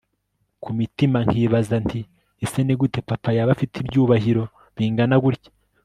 kumtima nkibaza nti ese nigute papa yaba afite ibyubahiro bingana gutya